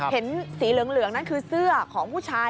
เห็นสีเหลืองนั่นคือเสื้อของผู้ชาย